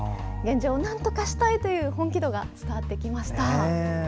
現状をなんとかしたいという本気度が伝わってきました。